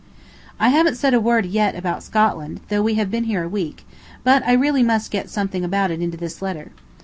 I haven't said a word yet about Scotland, though we have been here a week, but I really must get something about it into this letter.